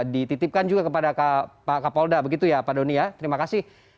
dititipkan juga kepada pak kapolda begitu ya pak doni ya terima kasih